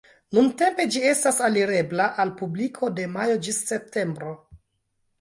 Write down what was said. Nuntempe ĝi estas alirebla al publiko de majo ĝis septembro.